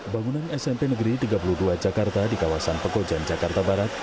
bangunan smp negeri tiga puluh dua jakarta di kawasan pekojan jakarta barat